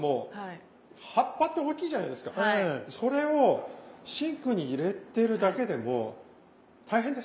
それをシンクに入れてるだけでも大変ですよね。